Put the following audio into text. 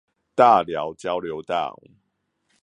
大寮交流道